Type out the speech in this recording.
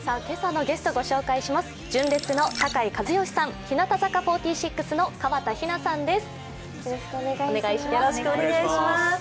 今朝のゲストご紹介します。